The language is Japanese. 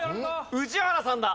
宇治原さんだ。